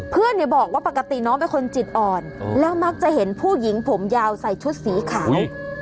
เพื่อนเนี่ยบอกว่าปกติน้องเป็นคนจิตอ่อนแล้วมักจะเห็นผู้หญิงผมยาวใส่ชุดสีขาว